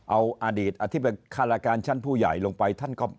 เอาอเดียนที่เป็นคาละการณ์ชั้นผู้ใหญ่ลงไป